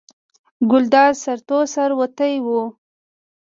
ګلداد سرتور سر وتی و.